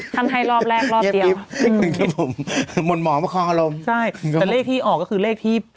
ท่านไทยรอบแรกรอบเดียวอืมมนต์หมอมพระคอรมใช่แต่เลขที่ออกก็คือเลขที่